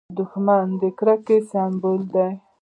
دښمن د کرکې سمبول دی